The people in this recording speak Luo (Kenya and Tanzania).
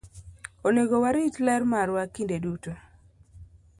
Onego warit ler marwa kinde duto.